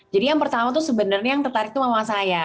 jadi yang pertama tuh sebenarnya yang tertarik tuh memang saya